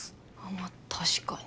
まあ確かに。